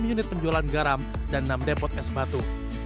enam unit penjualan garam dan enam depot es batu